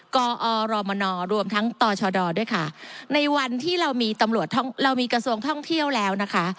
กอรมนรวมทั้งตชดด้วยค่ะในวันที่เรามีตำรวจเรามีกระทรวงท่องเที่ยวแล้วนะคะ